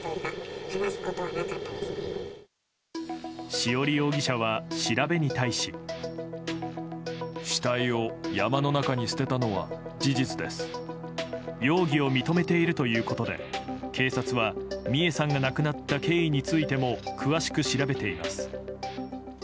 潮理容疑者は、調べに対し。容疑を認めているということで警察は、美恵さんが亡くなった経緯についても詳しく調べています。